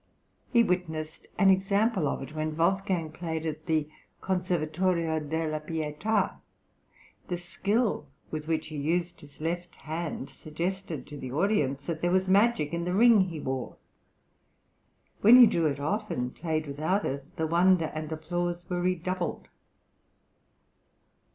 He witnessed an example of it when Wolfgang played at the Conservatorio della Pietà; the skill with which he used his left hand suggested to the audience that there was magic in a ring he wore; when he drew it off and played without it the wonder and applause were redoubled.